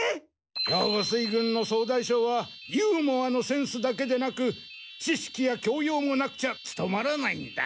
兵庫水軍の総大将はユーモアのセンスだけでなく知識や教養もなくちゃ務まらないんだ。